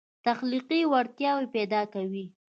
تخلیقي وړتیاوې پیدا کوي.